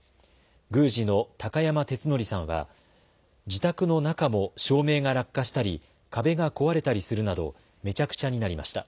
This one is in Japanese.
宮司の高山哲典さんは自宅の中も照明が落下したり壁が壊れたりするなどめちゃくちゃになりました。